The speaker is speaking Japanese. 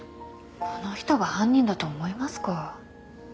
この人が犯人だと思いますか？